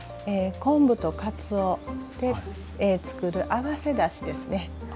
昆布とかつおで作る合わせだしですね。